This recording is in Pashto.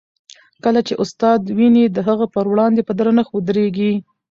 کله چي استاد وینئ، د هغه په وړاندې په درنښت ودریږئ.